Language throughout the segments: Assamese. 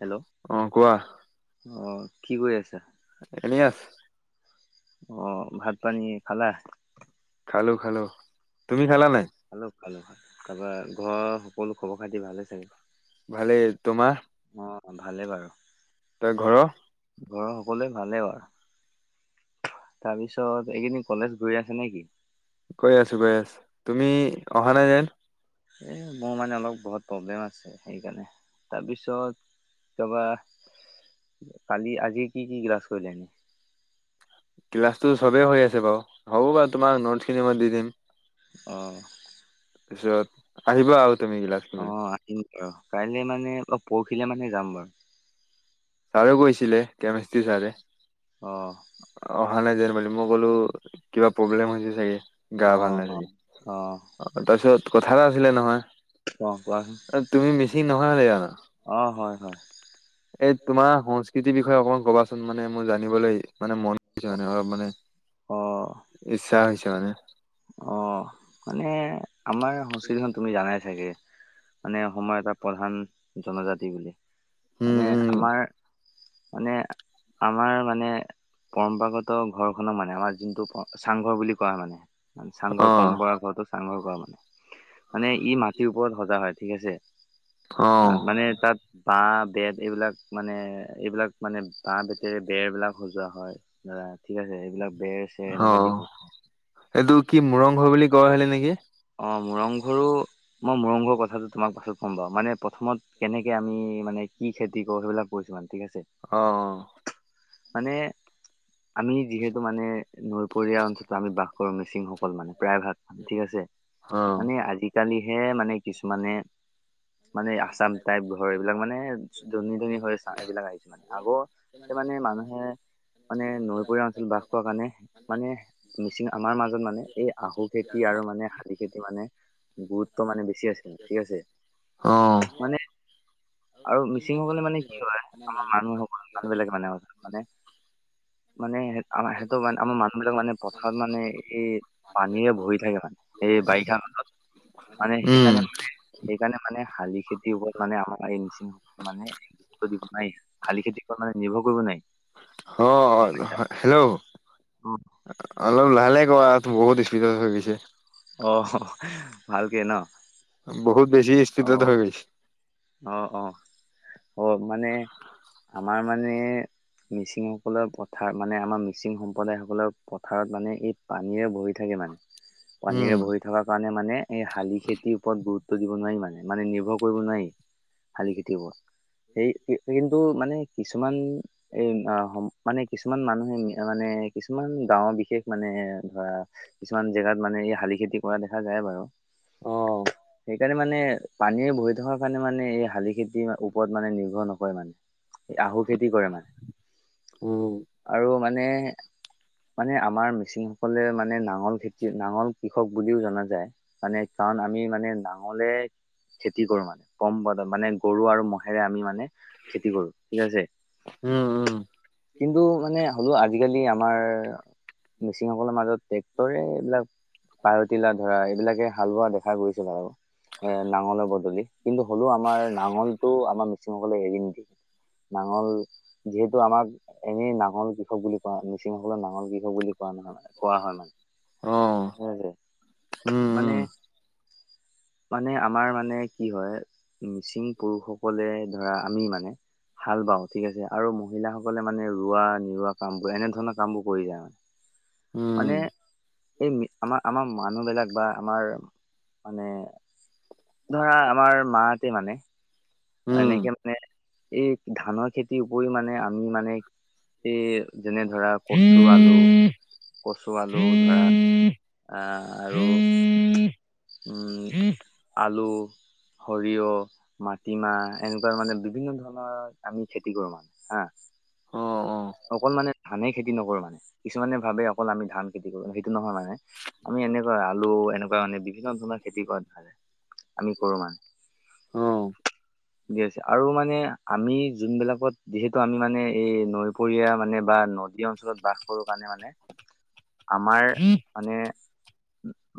হেল্ল' অ কোৱা অ কি কৰি আছা? এনেই আছ অ ভাত পানী খালা? খালোঁ, খালোঁ। খালো, খালো। তাপা ঘৰৰ সকলো খবৰ খাতি ভালে চাগে? ভালে, তোমাৰ? অ ভালেই বাৰু। তই ঘৰৰ ঘৰৰ সকলোৱে ভালেইও আৰু। তাৰ পিছত এইকেইদিন কলেজ গৈ আছে নেকি? গৈ আছো গৈ আছো তুমি অহা নাই যেন? এ মোৰ মানে অলপ ঘ'ত প্ৰব্লেম আছে সেইকাৰণে। তাৰপিছত তাবা কালি আজি কি কি ক্লাছ কৰিলে এনে? ক্লাছটো চবেই হৈ আছে বাৰু। হ'ব বাৰু তোমাক নোটছ খিনি মই দি দিম। অহ। তাৰপিছত আহিবা আৰু তুমি অ গিলাখলৈ। আহিম বাৰু কাইলৈ মানে পৰখিলে মানে যাম বাৰু। ছাৰে কৈছিলে কেমেষ্ট্ৰি ছাৰে। অহ। অনলাইন জে মেলি মইগলো। কিবা প্ৰব্লেম হৈছে চাগে গা অ ভাল নাই চাগে অ তাৰপিছত কথা এটা আছিলে নহয়। অ কোৱাচোন তুমি মিচিং নহয় হলে জানা অ হয় হয় এই। তোমাৰ সংস্কৃতিৰ বিষয়ে অকণমান ক'বা চোন মানে মোৰ জানিবলৈ-। মানে মন গৈছে মানে অলপ মানে ইচ্ছা হৈছে মানে? অঁ মানে আমাৰ সংস্কৃতিখন তুমি জানাই চাগে। মানে অসময় এটা প্ৰধান জনজাতি বুলি। মানে উম উম আমাৰ- মানে আমাৰ মানে- পৰম্পৰাগত ঘৰ খনৰ মানে আমাৰ যোনটো চাংঘৰ বুলি কয় মানে-। চাংঘৰ অ পৰম্পৰাগত চাংঘৰ পৰম্পৰাগত কৰা মানে। মানে ই মাটিৰ ওপৰত সজা হয় ঠিক অ আছে মানে তা'ত বাঁহ। বেত এইবিলাক মানে এইবিলাক মানে বাঁহ বেতেৰে বেৰবিলাক সজোৱা হয় ধৰা ঠিক আছে। এইবিলাক- বেৰ'ছে অ এনেকা দিয়া এইটো হয়। কি মুৰংঘৰ বুলি কৈ গৈহে নেকি? অঁ মুৰংঘৰো মই মুৰং ঘৰ কথাটো-। তোমাক পাছত ক'ম বাৰু। মানে প্ৰথমত কেনেকৈ আমি মানে কি খেতি কৰোঁ সেইবিলাক কৈছোঁ মানে। ঠিক আছে অ। মানে আমি যিহেতু মানে নৈপৰীয়া অঞ্চলত আমি বাস কৰো মিচিংসকল মানে। প্ৰায় ভাগ ঠিক আছে। অ মানে আজিকালি হে মানে কিছুমানে- মানে আসাম টাইপ ঘৰ এইবিলাক মানে ধনী ধনী হৈ এইবিলাক আহিছে মানে আগতে মানে। মানুহে-। মানে নৈপৰীয়া অঞ্চলত বাস হোৱা কাৰণে মানে মিচিং আমাৰ মাজত মানে এই আহু খেতি-। আৰু মানে-। খেতি মানে গুৰুত্ব মানে বেছি আছে ঠিক আছে। অ মানে- আৰু মিচিংসকলে মানে কি হয় আমাৰ মানুহসকল মানুহবিলাকে মানে মানে-। মানে আমাৰ সেইটো মানে আমাৰ মানুহ বিলাক মানে পথাৰত মানে এই পানীৰে ভৰি থাকে মানে। এই বাৰিষা কালত মানে উম সেইকাৰণে মানে সেইকাৰণে মানে-। শালি খেতিৰ ওপৰত মানে আমাৰ-। মিচিং মানে গুৰুত্ব দিব নোৱাৰি শালি খেতিৰ কৰা মানে নিৰ্ভৰ কৰিব নোৱাই। অ হেল্ল' অ অলপ লাহে লাহে-। কোৱা বহুত স্পিত'ত হৈ গৈছে। অ ভালকে ন'। বহুত বেছি স্পিত'ত হৈ গৈছে। অঁ অঁ অ' মানে আমাৰ মানে-। মিচিংসকলৰ পথাৰ মানে আমাৰ মিচিং সম্প্ৰদায় সকলৰ পথাৰত মানে এই পানীৰে ভৰি থাকে মানে। পানীৰে উম ভৰি থকাৰ কাৰণে মানে এই শালি খেতিৰ ওপৰত গুৰুত্ব-। দিব নোৱাৰি মানে, মানে নিৰ্ভৰ কৰিব নোৱাৰি শালি খেতিৰ ওপৰত। সেই কিন্তু মানে কিছুমান এ' মানে কিছুমান মানুহে মানে-। এ' কিছুমান গাঁওৰ বিশেষ মানে ধৰা কিছুমান জেগাত মানে এই শালি খেতি কৰা দেখা যায় বাৰু। অঁহ। সেইকাৰণে মানে পানী ভৰি থকাৰ কাৰণে মানে এই শালি খেতি ওপৰত মানে নিৰ্ভৰ নকৰে মানে। আহু খেতি কৰে মানে। উম আৰু মানে- মানে আমাৰ মিচিংসকলে মানে নাঙল খেতি নাঙল কৃষক বুলিও জনা যায়। মানে কাৰণ আমি মানে নাঙলে খেতি কৰো মানে। কম পোৱা মানে গৰু আৰু মহ'ৰে আমি মানে খেতি কৰো ঠিক আছে। উম উম কিন্তু মানে হ'লেও আজিকালি আমাৰ- মিচিংসকলৰ মাজত ট্ৰেক্টৰে এইবিলাক- পাৰতিলা ধৰা এইবিলাকে হাল বোৱা দেখা গৈছিল আৰু এ' নাঙলৰ বদলি। কিন্তু হ'লেও আমাৰ নাঙলটো আমাৰ মিচিংসকলে এৰি নিদিয়ে। নাঙল- যিহেতু আমাক এনেই নাঙল কৃষক বুলি কোৱা মিচিংসলে নাঙল কৃষক বুলি কোৱা নহয়। কোৱা হয় অ মানে। উম মানে- মানে আমাৰ মানে কি হয়- মিচিং পুৰুষসকলে ধৰা আমি মানে। হাল বাও ঠিক আছে আৰু মহিলাসকলে মানে ৰোৱা নিৰুৱা কাম বোৰ এনে ধৰণৰ কাম বোৰ কৰি যায় মানে উম মানে এই আমাৰ আমাৰ মানুহ বিলাক বা আমাৰ মানে ধৰা আমাৰ মা হঁতে মানে উম এনেকে মানে এই ধানৰ খেতিৰ উপৰি মানে আমি মানে এই যেনে ধৰা কচু, আলু, কচু আলু ধৰা আৰু উম আলু সৰিয়হ মাটিমাহ এনেকুৱা মানে বিভিন্ন ধৰণৰ আমি খেতি কৰো মানে হা [inaudible] অ অ অকল মানে ধানে খেতি নকৰো মানে কিছুমানে ভাবে এই অকল আমি ধান খেতি কৰো সেইটো নহয় মানে আমি এনেকুৱা আলু এনেকুৱা মানে বিভিন্ন ধৰণৰ খেতি কৰা ভালে আমি কৰো মানে আহ ঠিকে আছে আৰু মানে আমি যোন বিলাকত যিহেতু আমি মানে এই নৈ পৰীয়া মানে বা নদী অঞ্চলত বাস কৰো কাৰণে মানে আমাৰ মানে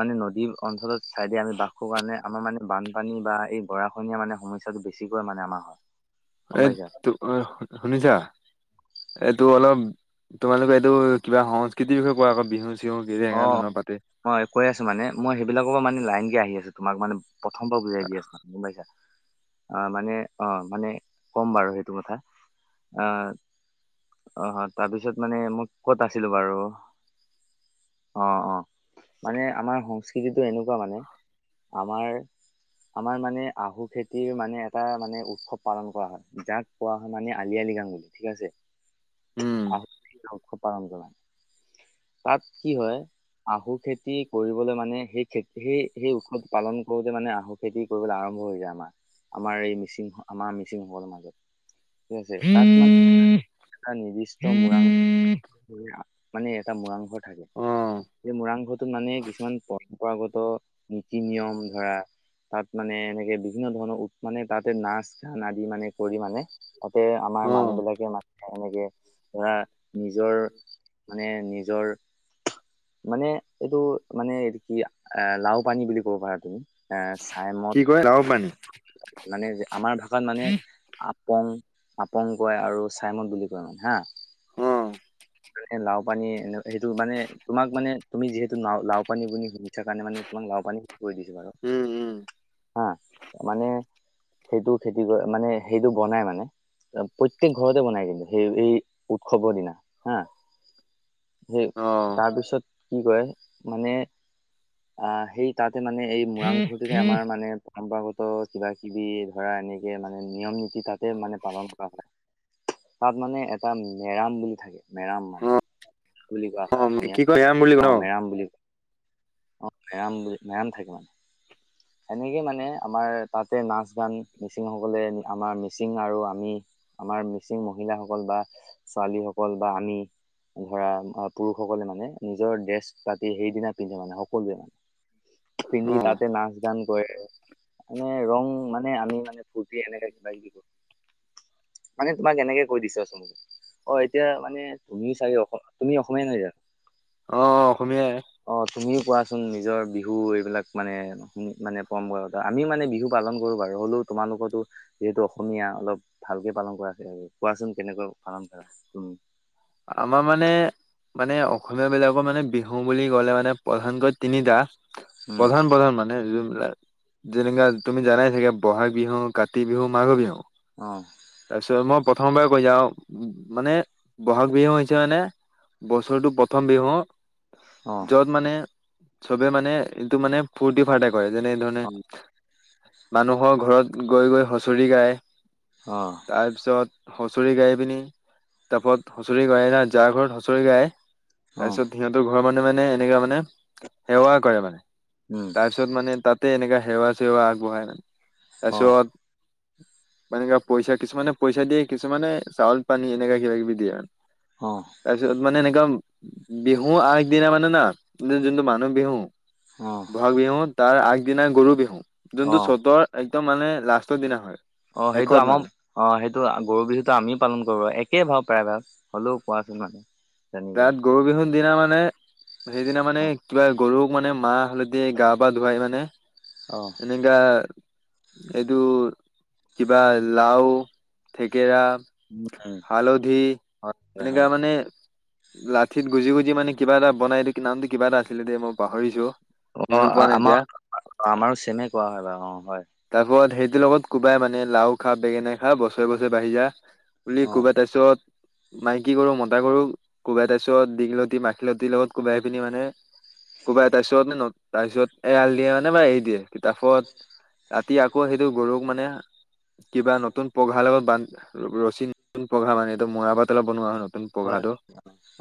মানে নদী অঞ্চলত চাইদে আমি বাস কৰো কাৰণে আমাৰ মানে বানপানী বা এই গৰাখহনীয়া মানে সমস্যাটো বেছিকৈ মানে আমাৰ হয় গম এ পাইছা ত শুনিছা এইটো অলপ তোমালোকে এইটো কিবা সংস্কৃতিৰ বিষয়ে কোৱা আকৌ বিহু চিহু কি অ এনেকা ধৰণৰ পাতে। মই কৈ আছো মানে মই সেইবিলাকৰ পৰা মানে লাইনক আহি আছো তোমাক মানে প্ৰথম পৰা বুজাই দিয়া আছা গম পাইছা মানে অ মানে ক'ম বাৰু সেইটো কথা অ তাৰ পিছত মানে মই কত আছিলো বাৰু অ অ মানে আমাৰ সংস্কৃতিতো এনেকুৱা মানে আমাৰ আমাৰ মানে আহু খেতিৰ মানে এটা মানে উৎসৱ পালন কৰা হয় যাক কোৱা হয় মানে আলি আই লৃগাং বুলি ঠিক আছে উম। আহ উৎসৱ পালন কৰা তাত কি হয় আহু খেতি কৰিবলৈ মানে সেই খেতী সেই সেই উৎসৱটো পালন কৰোতে মানে আহু খেতি কৰিবলৈ আৰম্ভ আৰম্ভ যায় আমাৰ আমাৰ এই মিচিং আমাৰ মিচিংসকলৰ মাজত ঠিক আছে তাত মানে মৰাং মানে এটা মৰাংঘৰ থাকে অ', এই মৰাংঘৰটোত মানে কিছুমান পৰম্পৰাগত নীতি নিয়ম ধৰা তাত মানে এনেকে বিভিন্ন ধৰণৰ মানে তাতে নাচ ধান আদি মানে কৰি মানে তাতে আমাৰ মানুহ অ', বিলাকে মান এনেকে ধৰা নিজৰ মানে নিজৰ মানে এইটো মানে এইটো কি এ লাও পানী বুলি ক'ব পাৰা তুমি এ চাই মদ লাওপানী মানে আমাৰ ভাষাত মানে আপং আপং কয় আৰু চাইমদ বুলি কয় মানে হা হুম লাও পানী এ সেইটো মানে তোমাক মানে তুমি যিহেতু লাওপানী শুনিছা কাৰণে মানে তোমাক লাও পানী কৰি দিছো বাৰু উম, উম। হা মানে সেইটো খেতি কৰে মানে সেইটো বনাই মানে প্ৰত্যেক ঘৰতে বনায় কিন্তু সেই এই উৎসৱৰ দিনা হা সেই অ', তাৰপিছত কি কয় মানে আহ সেই তাতে মানে এই মৰাংঘৰটোতে আমাৰ মানে পৰম্পৰাগত কিবা কিবি ধৰা এনেকে মানে নিয়ম নীতি তাতে মানে পালন কৰা হয় তাত মানে এটা মেৰাম বুলি থাকে মেৰাম মানে বুলি কোৱা হয় অ', অসমীয়া কি কয় এয়াম বুলি কয় অ ন? মেৰাম বুলি অ মেৰাম বুলি মেৰাম থাকে মানে সেনেকে মানে আমাৰ তাতে নাচ গান মিচিং সকলে আমাৰ মিচিং আৰু আমি আমাৰ মিচিং মহিলাসকল বা ছোৱালীসকল বা আমি ধৰা পুৰুষসকলে মানে নিজৰ ড্ৰেছ পাতি সেইদিনা পিন্ধে মানে সকলোৱে মানে। পিন্ধি অ'। তাতে নাচ- দৰ্শন এনে ৰং মানে আমি মানে ফুৰ্তি এনেকে কিবা কিবি কৰো। মানে তোমাক এনেকে কৈ দিছে চ অ এতিয়া মানে তুমি চাগি তুমি অসমে নাই জা অ', অসমীয়াই অ তুমিও কোৱাচোন নিজৰ বিহু এইবিলাক মানে ন মানে কম বয়সত আমিও মানে বিহু পালন কৰোঁ বাৰু হ'লেও তোমালোকৰো যিহেতু অসমীয়া অলপ ভাল ভালকে পালন কৰা আৰু কোৱাচোন কেনেকৈ পালন কৰাম? আমাৰ মানে মানে অসমীয় বিলাকৰ মানে বিহু বুলি ক'লে মানে প্ৰধানকৈ তিনিটা উম প্ৰধান প্ৰধান মানে যেনেকোৱা তুমি জানাই চাগে বহাগ বিহু, কাতি বিহু, মাঘৰ বিহু। অ তাৰপিছত মই প্ৰথমবাৰ কৈ যাওঁ মানে বহাগ বিহু হৈছে মানে বছৰটো প্ৰথম বিহু অ যত মানে চবে মানে এইটো মানে ফূৰ্তি ফাৰ্ত কৰে যেনে ধৰণে অ মানুহৰ ঘৰত গৈ গৈ হুচৰি গায় অ তাৰ পিছত হচৰি গাই পিনি তাৰপত হচৰি গাই না যাৰ ঘৰত হুচৰি গায় তাৰ অ পিছত সিহঁতৰ ঘৰৰ মানুহ মানে এনেকুৱে মানে সেৱা কৰে মানে উম তাৰপিছত মানে তাতে এনেকা সেৱা চেৱা আগবঢ়ায় মানে অ তাৰপিছত মানে পইচা কিছুমানে পইচা দিয়ে কিছুমানে চাউল পানী এনেকা কিবা কিবি দিয়ে আৰু। অ। তাৰপিছত মানে এনেকুৱা বিহু আগদিনা মানে না যোনটো মানুহ বিহু অ বহাগ বিহু তাৰ আগ দিনা গৰু বিহু, অ যোনটো চ'তৰ একদম মানে লাষ্টৰ দিনা হয়। অ সেইটো শেষত আমাৰ মানে অ সেইটো গৰু বিহুটো আমিও পালন কৰো একেই ভাৱ প্ৰায় ভাগ। হ'লেও পোৱাছে মানে জানিবলৈ তাত গৰু বিহুৰ দিনা মানে সেইদিনা মানে অ কিবা গৰুক মানে মাহ, হালধি গা পা ধুৱাই মানে অ এনেকা এইটো কিবা লাও, থেকেৰা উম হালধি হয় হয় এনেকা হয়। মানে লাঠিত গুজি গুজি মানে কিবা এটা বনাই দি কি নামটো কিবা এটা আছিলে দেই মই পাহৰিছো অ মনত পোৱা নাই এতিয়া আমাৰ আ আমাৰো চেমে কোৱা হয় বাৰু অ হয়। খতিৰ লগত কোবাই মানে লাও খা, বেঙেনা খা বছৰে বছৰে বাঢ়ি যা বুলি অ কোবাই তাৰ পিছত মাইকী কৰো মতা কৰো কোবাই তাৰ পিছত দীঘলতি মাখিলতিৰ লগত কোবাই পিনি মানে ক'বাই তাৰপিছত নে ন তাৰপিছত এৰাল দিয়ে মানে বা এৰি দিয়ে কিতাপত ৰাতি আকৌ সেইটো গৰুক মানে কিবা নতুন পঘাৰ লগত বান ৰছী নতুন পঘা মান এইটো মৰা পাত অলপ বনোৱা হ ন নতুন হয় পঘাটো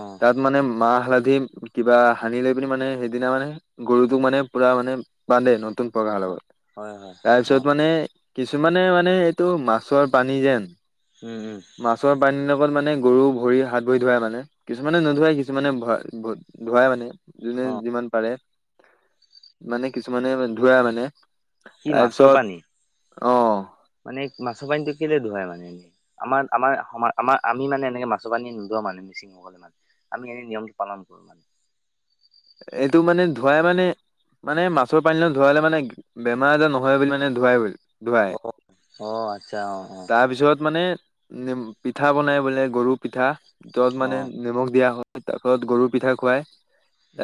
অ তাত মানে ম মাহ হালধি কিবা সানি লৈ পিনি মানে সেইদিনা মানে গৰুটো মানে পুৰা মানে বান্ধে নতুন প্ৰকাৰাৰ লগত হয় হয় হয় অ তাৰপিছত মানে কিছুমানে মানে এইটো মাছৰ পানী যেন উম উম মাছৰ পানীৰ লগ লগত মানে গৰু ভৰি হাত ভৰি ধোৱাই মানে কিছুমানে নোধুৱাই কিছুমানে ভ ধুৱাই মানে যোনে অ যিমান পাৰে। মানে কিছুমানে ধুৱাই মানে কি মাছৰ পানী? অঁ মানে মাছৰ পানীটো কেলে ধুৱাই মানে। আমাৰ আমাৰ আম আমি মানে এনেকে মাছ পানী নোলোৱা মানে মিচিংসকলে মান আমি এনে নিয়মটো পালো [unintelligible] এইটো মানে ধুৱাই মানে মানে মাছৰ পানী ধুৱালে মানে বেম আজাৰ নহয় বুলি মানে ধুৱাই ধুৱাই অ অ আচ্ছা অ অ তাৰ পিছত মানে পিঠা বনাই বোলে গৰু পিঠা যত অ মানে নিমখ দিয়া হয় তাৰ পিছত গৰু পিঠা খুৱাই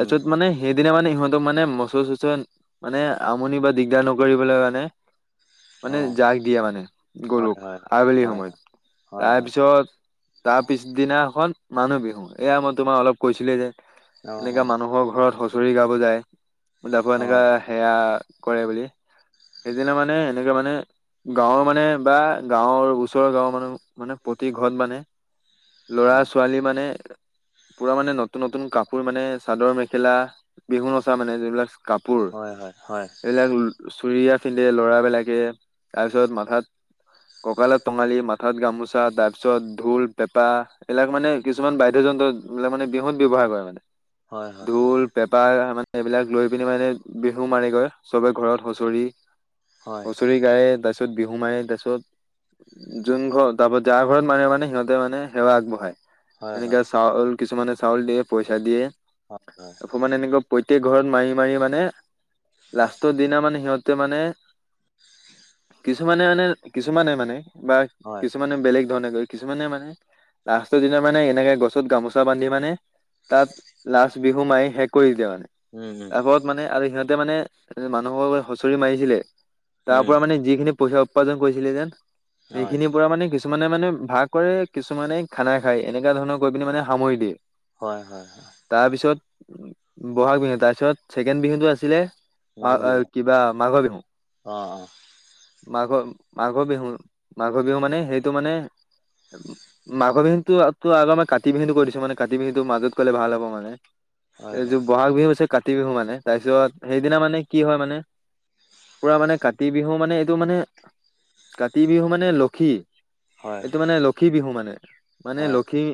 উম মানে সেইদিনা মানে সিহঁতক মানে মচুৰ চচুৰ মানে আমনি বা দিগদাৰ নকৰিবলে মানে মানে অ জাক দিয়ে মানে হয় গৰুক হয় আবেলি হয় হয় সময়ত হয় হয় তাৰপিছত তাৰ পিছদিনাখন মানুহ বিহু এয়া মই তোমাক অলপ কৈছিলে যে অ এনেকা মানুহৰ ঘৰত হুচৰি গাব যায় তাৰ পৰা অ এনেকা সেৱা কৰে বুলি সেইদিনা মানে এনেকে মানে গাঁৱৰ মানে বা গাঁৱৰ ওচৰৰ গাঁৱৰ মানুহ মানে প্ৰতি ঘৰত মানে অ অ লৰা- ছোৱালী মানে পুৰা মানে নতুন নতুন কাপোৰ মানে চাদৰ মেখেলা বিহু নচা মানে যোন বিলাক কাপোৰ হয় হয় হয় এইবিলাক চুৰিয়া পিন্ধে ল'ৰাবিলাকে তাৰ পিছত মাথাত ককালত টঙালি মাৰে। হঠাত গামোচা তাৰ পিছত ঢোল পেঁপা এইবিলাক মানে কিছুমান বাদ্যযন্ত্ৰ মানে বিহুত ব্যৱহাৰ কৰে মানে হয় হয় ঢোল, পেঁপা মানে- এইবিলাক লৈ পিনি মানে বিহু মাৰি গৈ সবে ঘৰত হুঁচৰি হয় হুচৰি গায় তাৰ পিছত বিহু মাৰে তাৰ পিছত যোন ঘৰ তাৰ পৰা যায় ঘৰত মানে মানে সিহঁতে মানে সেৱা হয় আগবঢ়ায় হয় এনেকে চাউল কিছুমানে চাউল দিয়ে পইচা দিয়ে হয় হয় আকৌ মানে এনেকুৱা প্ৰত্যক‌ঘৰত মাৰি মাৰি মানে লাষ্টৰ দিনা মানে সিহঁত মানে কিছুমানে মানে কিছুমানে মানে বা হয় কিছুমানে বেলেগ ধৰণে গৈ কিছুমানে মানে লাষ্টৰ দিনা মানে এনেকে গছত গামোচা বান্ধি মানে তাত লাষ্ট বিহু মাৰি শেষ কৰি দিয়ে মানে উম উম তাৰ পৰা মানে আৰু সিহঁত। তাতে মানে মানুহৰ হুঁচৰি মাৰিছিলে তাৰ উম পৰা মানে যিখিনি পইচা উপাৰ্জন কৰিছিলে যেন সেই হয় খিনিৰ পৰা মানে কিছুমান মানে মানে ভাগ কৰে কিছুমানে খানা খাই এনেকুৱা ধৰণৰ কৈ পিনে মানে সামৰি দিয়ে হয় হয় হয় তাৰপিছত বহাগ বিহু তাৰপিছত ছেকেণ্ড বিহুটো আছিলে মা মাঘ বিহু কিবা মাঘৰ বিহু অ অ মাঘৰ মাঘৰ বিহু মাঘৰ বিহু মানে সেইটো মানে মাঘ বিহুটো তো আগত আগত কাতি বিহুটো কৈ দিছো মানে কাতি বিহুটো মাজত ক'লে ভাল হ'ব - ম হয় হয় এইযোৰ বহাগ বিহু হৈছে কাতি বিহু মানে তাৰ পিছত সেইদিনা মানে কি হয় মানে পুৰা মানে কাতি বিহু মানে এইটো মানে কাতি বিহু মানে লখী, হয় এইটো মানে লখী বিহু মানে মানে হয় লখী